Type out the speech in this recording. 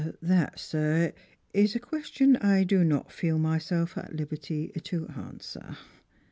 " That, sir, is a question which I do not feel myself at liberty to hanswer."